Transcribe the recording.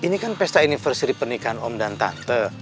ini kan pesta universary pernikahan om dan tante